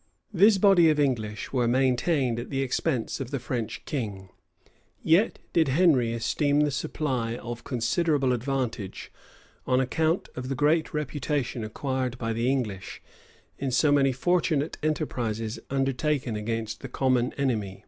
} This body of English were maintained at the expense of the French king; yet did Henry esteem the supply of considerable advantage, on account of the great reputation acquired by the English, in so many fortunate enterprises undertaken against the common enemy.